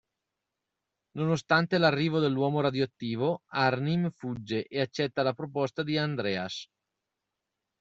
Nonostante l'arrivo dell'Uomo Radioattivo, Arnim fugge e accetta la proposta di Andreas.